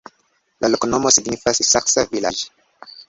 La loknomo signifas: saksa-vilaĝ'.